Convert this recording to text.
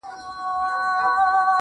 کمال یوازي د انګېزي اوزار دی